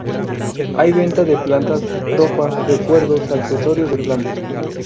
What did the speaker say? Hay venta de plantas, ropa, recuerdos, accesorios de plata.